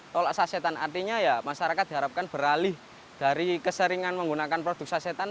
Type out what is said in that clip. tolak sasetan artinya ya masyarakat diharapkan beralih dari keseringan menggunakan produk sasetan